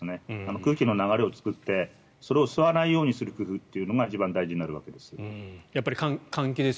空気の流れを作ってそれを吸わないようにする工夫というのが一番大事になるわけです。